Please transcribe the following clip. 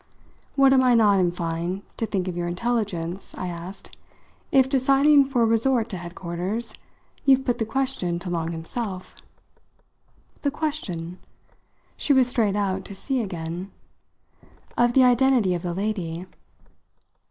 What am I not, in fine, to think of your intelligence," I asked, "if, deciding for a resort to headquarters, you've put the question to Long himself?" "The question?" She was straight out to sea again. "Of the identity of the lady."